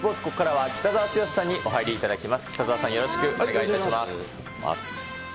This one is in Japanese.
スポーツ、ここからは北澤豪さんにお入りいただきます。